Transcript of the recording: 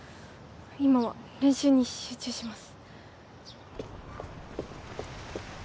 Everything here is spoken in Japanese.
今は練習に集中します